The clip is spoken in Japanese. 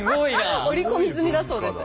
織り込み済みだそうです。